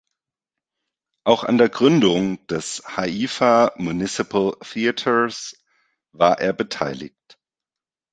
Auch an der Gründung des "Haifa Municipal Theatre"s war er beteiligt.